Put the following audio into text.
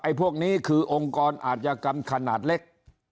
ไอ้พวกนี้คือองค์กรอาจจะกำขนาดเล็ก